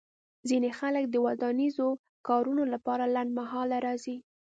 ځینې خلک د ودانیزو کارونو لپاره لنډمهاله راځي